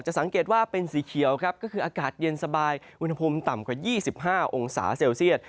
สังเกตว่าเป็นสีเขียวครับก็คืออากาศเย็นสบายอุณหภูมิต่ำกว่า๒๕องศาเซลเซียต